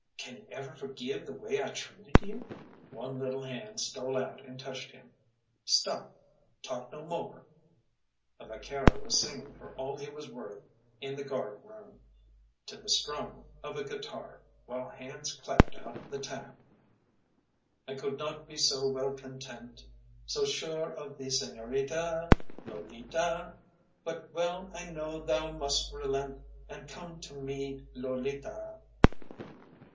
Can you ever forgive the way I treated you?" One little hand stole out and touched him: "Stop talk no more." A vaquero was singing for all he was worth in the guardroom, to the strum of a guitar, while hands clapped out the time "I could not be so well content, So sure of thee, Señorita, Lolita; But well I know thou must relent And come to me, Lolita!"